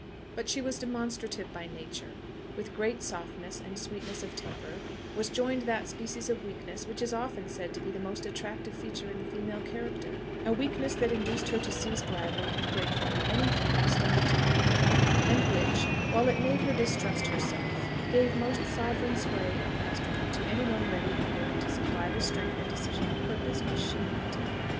But she was demonstrative by nature: with great softness and sweetness of temper, was joined that species of weakness which is often said to be the most attractive feature in the female character; a weakness that induced her to seize gladly and gratefully any hand extended to lead her, and which, while it made her distrust herself, gave most sovereign sway and masterdom to any one ready and willing to supply the strength and decision of purpose which she wanted.